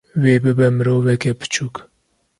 wê bibe miroveke piçûk